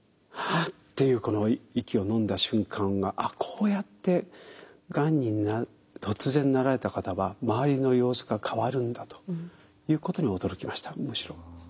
「は」っていうこの息をのんだ瞬間がこうやってがんに突然なられた方は周りの様子が変わるんだということに驚きましたむしろ。